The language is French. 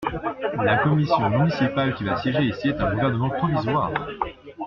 La Commission municipale qui va siéger ici est un gouvernement provisoire!